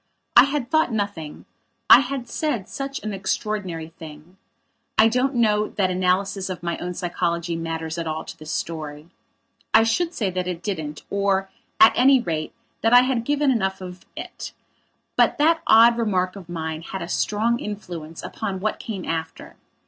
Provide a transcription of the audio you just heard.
I had thought nothing; I had said such an extraordinary thing. I don't know that analysis of my own psychology matters at all to this story. I should say that it didn't or, at any rate, that I had given enough of it. But that odd remark of mine had a strong influence upon what came after.